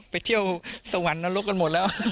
ไปเที่ยวสวรรค์นรกกันหมดแล้ว